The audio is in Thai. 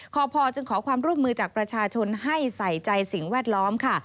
พอจึงขอความร่วมมือจากประชาชนให้ใส่ใจสิ่งแวดล้อมค่ะ